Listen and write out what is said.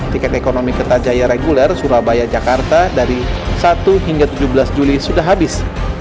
tiket ekonomi kertajaya reguler surabaya jakarta dari satu hingga tujuh belas juli sudah habis